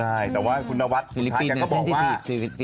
แต่ว่าคุณนาวัสก็บอกว่า